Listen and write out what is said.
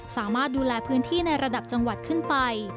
สามารถดูแลพื้นที่ในระดับจังหวัดขึ้นไป